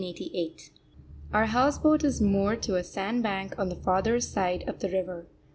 SHELIDAH, 1888. Our house boat is moored to a sandbank on the farther side of the river.